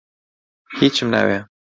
هیچم ناوێ.